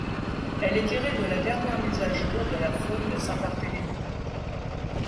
Elle est tirée de la dernière mise à jour de la faune de Saint-Barthélemy.